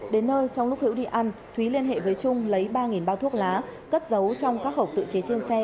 đến nơi trong lúc hữu đi ăn thúy liên hệ với trung lấy ba bao thuốc lá cất giấu trong các hộp tự chế trên xe